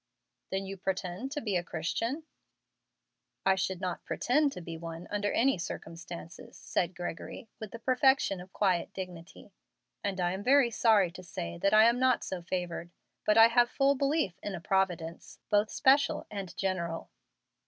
"Then you pretend to be a Christian?" "I should not pretend to be one under any circumstances," said Gregory, with the perfection of quiet dignity, "and I am very sorry to say that I am not so favored. But I have full belief in a Providence, both special and general."